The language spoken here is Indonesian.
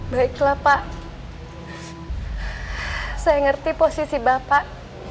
baiklah pak saya mengerti posisi bapak